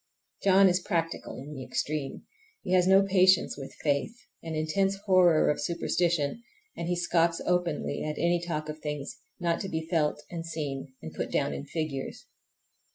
John is practical in the extreme. He has no patience with faith, an intense horror of superstition, and he scoffs openly at any talk of things not to be felt and seen and put down in figures.